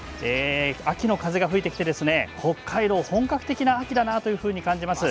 秋の風が吹いてきて北海道、本格的な秋だなというふうに感じます。